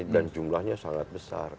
dan jumlahnya sangat besar